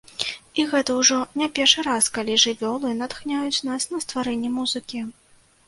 І гэта ўжо не першы раз, калі жывёлы натхняюць нас на стварэнне музыкі.